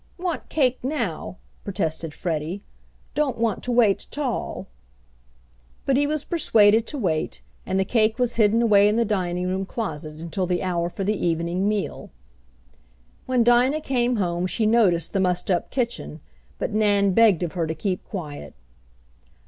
"Want cake now," protested Freddie. "Don't want to wait 't all!" But he was persuaded to wait, and the cake was hidden away in the dining room closet until the hour for the evening meal. When Dinah came home she noticed the mussed up kitchen, but Nan begged of her to keep quiet.